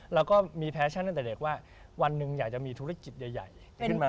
แล้วก็มีแฟชั่นตั้งแต่เด็กว่าวันหนึ่งอยากจะมีธุรกิจใหญ่ขึ้นมา